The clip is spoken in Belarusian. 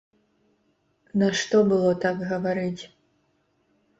Нашто было так гаварыць?